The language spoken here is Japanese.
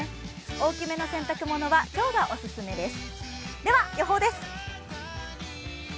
大きめの洗濯物は今日がオススメです。